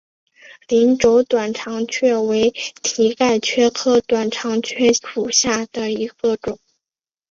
鳞轴短肠蕨为蹄盖蕨科短肠蕨属下的一个种。